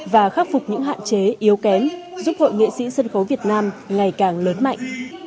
và khắc phục những hạn chế yếu kém giúp hội nghệ sĩ sân khấu việt nam ngày càng lớn mạnh